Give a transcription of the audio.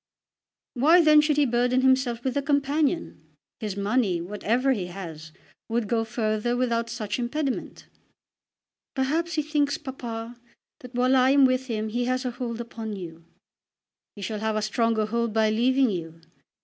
"Why then should he burden himself with a companion? His money, whatever he has, would go further without such impediment." "Perhaps he thinks, papa, that while I am with him he has a hold upon you." "He shall have a stronger hold by leaving you.